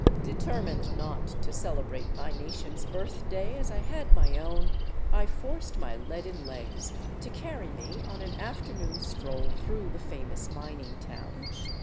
Determined not to celebrate my nation's birthday as I had my own, I forced my leaden legs to carry me on an afternoon stroll through the famous mining town.